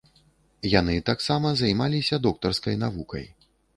Яны таксама займаліся доктарскай навукай.